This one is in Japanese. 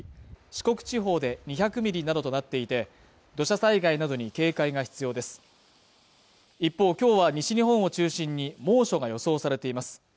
四国地方で２００ミリなどとなっていて土砂災害などに警戒が必要です一方きょうは西日本を中心に猛暑が予想されています